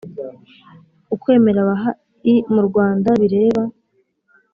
Ukwemera baha i mu Rwanda bireba